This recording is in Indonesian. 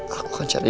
aku akan cari dia